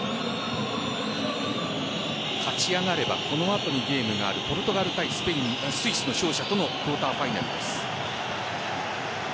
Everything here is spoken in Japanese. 勝ち上がればこの後にゲームがあるポルトガル対スイスの勝者とのクォーターファイナルです。